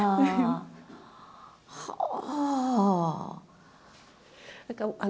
はあ。